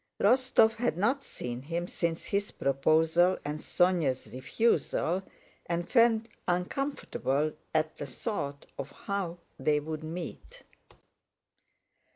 Rostóv had not seen him since his proposal and Sónya's refusal and felt uncomfortable at the thought of how they would meet.